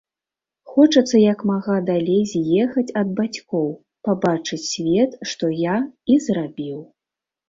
Хочацца як мага далей з'ехаць ад бацькоў, пабачыць свет, што я і зрабіў.